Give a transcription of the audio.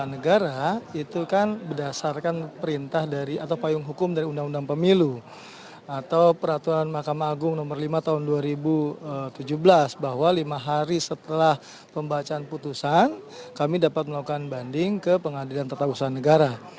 negara itu kan berdasarkan perintah dari atau payung hukum dari undang undang pemilu atau peraturan mahkamah agung nomor lima tahun dua ribu tujuh belas bahwa lima hari setelah pembacaan putusan kami dapat melakukan banding ke pengadilan tata usaha negara